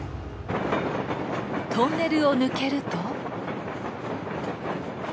トンネルを抜けると。